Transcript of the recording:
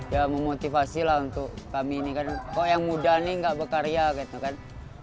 ya memotivasi lah untuk kami ini kan kok yang muda nih gak berkarya gitu kan